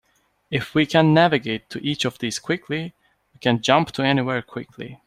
If we can navigate to each of these quickly, we can jump to anywhere quickly.